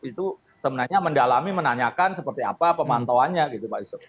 itu sebenarnya mendalami menanyakan seperti apa pemantauannya gitu pak yusuf